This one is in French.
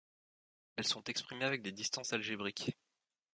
Elles sont exprimées avec des distances algébriques.